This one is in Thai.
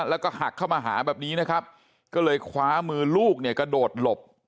แล้วก็หักเข้ามาหาแบบนี้นะครับก็เลยคว้ามือลูกเนี่ยกระโดดหลบ